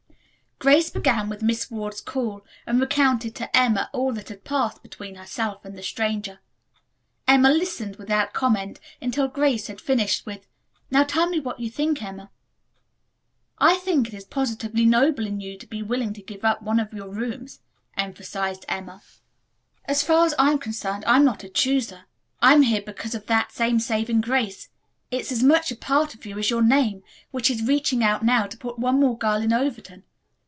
Grace began with Miss Ward's call and recounted to Emma all that had passed between herself and the stranger. Emma listened without comment until Grace had finished with, "Now tell me what you think, Emma." "I think it is positively noble in you to be willing to give up one of your rooms," emphasized Emma. "As far as I am concerned I'm not a 'chooser.' I'm here because of that same saving grace it's as much a part of you as your name which is reaching out now to put one more girl in Overton.